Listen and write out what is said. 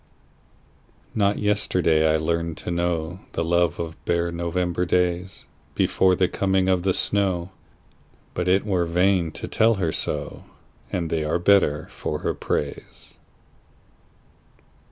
Not yesterday I learned to knowThe love of bare November daysBefore the coming of the snow, But it were vain to tell her so, And they are better for her praise.